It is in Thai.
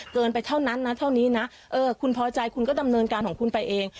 เกินไปเท่านั้นนะเท่านี้นะเออคุณพอใจคุณก็ดำเนินการของคุณไปเอง